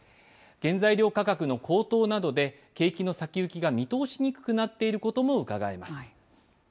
原材料価格の高騰などで、景気の先行きが見通しにくくなっていることもうかがえます。